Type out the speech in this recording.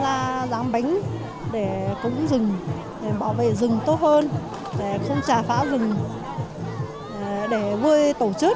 ra giám bánh để cúng rừng để bảo vệ rừng tốt hơn để không trà phá rừng để vừa tổ chức